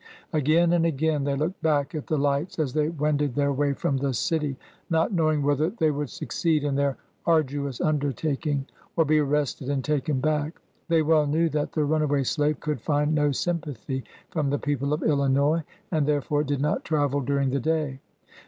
Again and again they looked back at the lights, as they wended their Tray from the city, not knowing whether they would succeed in their arduous undertaking, or be arrested and taken back. They well knew that the runaway slave could find no sympa thy from the people of Illinois, and therefore did not travel during the day.